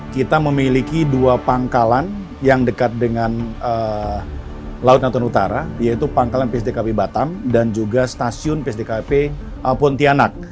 kita memiliki dua pangkalan yang dekat dengan laut natuna utara yaitu pangkalan psdkp batam dan juga stasiun psdkp pontianak